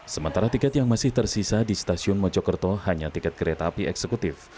sementara tiket yang masih tersisa di stasiun mojokerto hanya tiket kereta api eksekutif